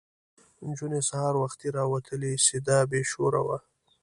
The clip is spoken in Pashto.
نجونې سهار وختي راوتلې سده بې شوره وه.